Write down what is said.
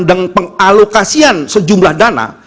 dan pengalokasian sejumlah dana